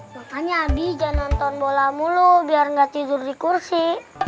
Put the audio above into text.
makanya adi jangan nonton bola mulu biar nggak tidur di kursi